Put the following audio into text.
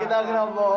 siapa bralu tuh